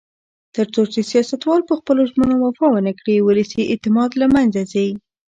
تر څو چې سیاستوال په خپلو ژمنو وفا ونکړي، ولسي اعتماد له منځه ځي.